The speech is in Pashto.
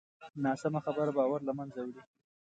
ناسمه خبره باور له منځه وړي